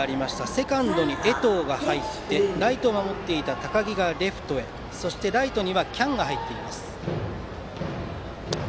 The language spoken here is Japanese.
セカンドに江藤が入ってライトを守っていた高木がレフトそしてライトには喜屋武が入っています。